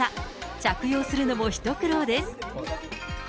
着用するのも一苦労です。